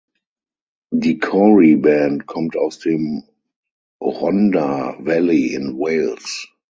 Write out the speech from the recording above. Die Cory Band kommt aus dem Rhondda Valley in Wales.